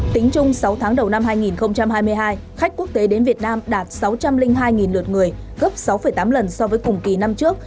tính chung sáu tháng đầu năm hai nghìn hai mươi hai khách quốc tế đến việt nam đạt sáu trăm linh hai lượt người gấp sáu tám lần so với cùng kỳ năm trước